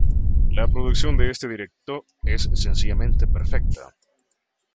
La producción de este directo es sencillamente perfecta.